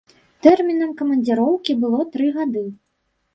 Тэрмінам камандзіроўкі было тры гады.